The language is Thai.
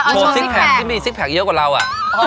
ซิกแพคที่มีซิกแพคเยอะกว่าเราอะ